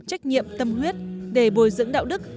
trách nhiệm tâm huyết để bồi dưỡng đạo đức